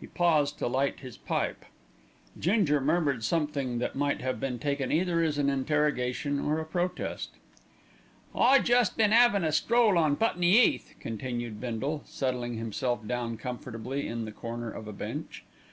He paused to light his pipe. Ginger murmured something that might have been taken either as an interrogation or a protest. "I jest been 'avin' a stroll on Putney 'Eath," continued Bindle, settling himself down comfortably in the corner of a bench.